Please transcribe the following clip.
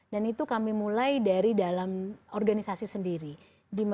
dan itu kami mulai dari dalam organisasi sendiri